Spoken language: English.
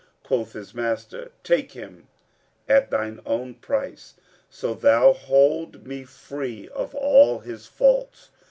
Quoth his master, 'Take him at thine own price, so thou hold me free of all his faults.'